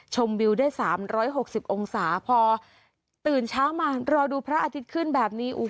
วิวได้๓๖๐องศาพอตื่นเช้ามารอดูพระอาทิตย์ขึ้นแบบนี้